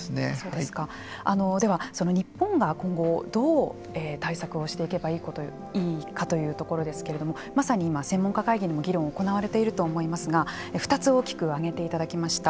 では、日本が今後どう対策をしていけばいいかというところですけれどもまさに今、専門家会議でも議論が行われていると思いますが２つ大きく挙げていただきました。